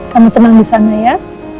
kami tenang di sana ya